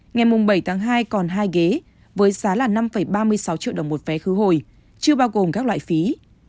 ngày bảy tháng hai còn hai ghế với giá là năm ba mươi sáu triệu đồng một vé khứ hồi chưa bao gồm các loại phí